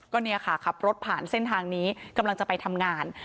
ก็เนี่ยค่ะขับรถผ่านเส้นทางนี้กำลังจะไปทำงาน